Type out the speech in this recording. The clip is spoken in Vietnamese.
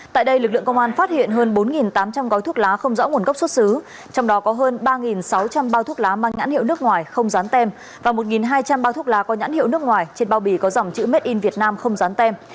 tại đây lực lượng công an phát hiện hơn bốn tám trăm linh gói thuốc lá không rõ nguồn gốc xuất xứ trong đó có hơn ba sáu trăm linh bao thuốc lá mang nhãn hiệu nước ngoài không dán tem và một hai trăm linh bao thuốc lá có nhãn hiệu nước ngoài trên bao bì có dòng chữ made in vietnam không dán tem